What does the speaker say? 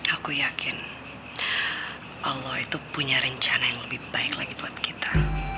aku yakin allah itu punya rencana yang lebih baik lagi buat kita